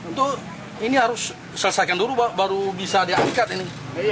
itu ini harus selesaikan dulu baru bisa diangkat ini